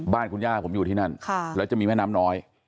บ้านคุณย่าผมอยู่ที่นั่นแล้วจะมีแม่น้ำน้อย